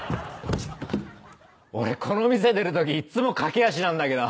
俺この店出るときいっつも駆け足なんだけど。